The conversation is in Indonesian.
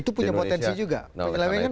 itu punya potensi juga